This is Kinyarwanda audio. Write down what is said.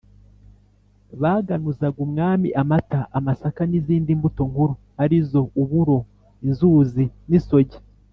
Baganuzaga umwami amata, amasaka n’izindi mbuto nkuru ari zo; uburo, inzuzi n’isogi.